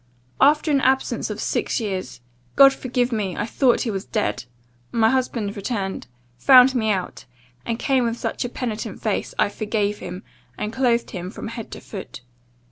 "'After an absence of six years (God forgive me! I thought he was dead) my husband returned; found me out, and came with such a penitent face, I forgave him, and clothed him from head to foot.